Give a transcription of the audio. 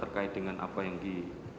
terkait dengan apa yang di